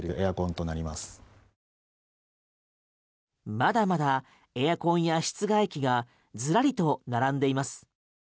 まだまだエアコンや室外機がずらりと並んでいます。